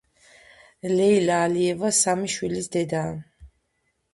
ლეილა ალიევა სამი შვილის დედაა.